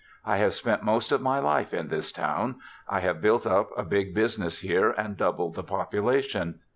I have spent most of my life in this town. I have built up a big business here and doubled the population.